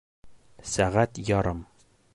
Сәғәт ярым